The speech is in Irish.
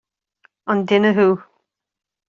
An duine thú?